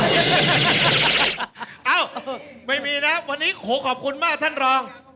เอ้าไม่มีนะวันนี้ขอขอบคุณมากท่านรอง